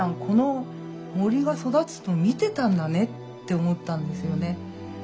この森が育つの見てたんだねって思ったんですよね。